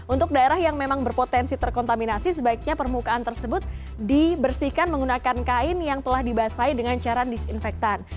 untuk daerah yang memang berpotensi terkontaminasi sebaiknya permukaan tersebut dibersihkan menggunakan kain yang telah dibasahi dengan cairan disinfektan